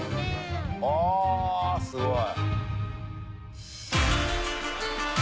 ああすごい。